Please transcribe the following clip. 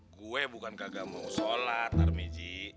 gue bukan kagak mau sholat armiji